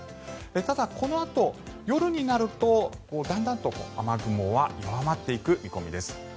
ただ、このあと夜になるとだんだんと雨雲は弱まっていく見込みです。